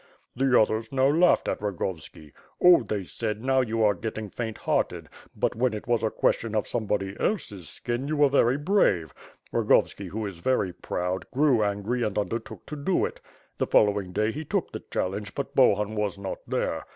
The others now laughed at Rogovski. 'Oh,^ they said, 'now you are getting faint hearted; but, when it was a question of somebody else's skin, you were very brave.' Rogovski, who is very proud, grew angry, and undertook to do it. The following day he took the challenge, but Bahun was not there.